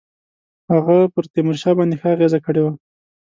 هغه پر تیمورشاه باندي ښه اغېزه کړې وه.